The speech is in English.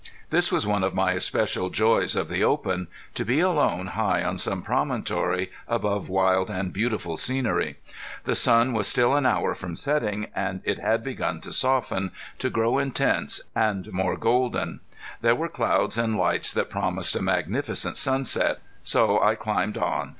This was one of my especial joys of the open to be alone high on some promontory, above wild and beautiful scenery. The sun was still an hour from setting, and it had begun to soften, to grow intense, and more golden. There were clouds and lights that promised a magnificent sunset. So I climbed on.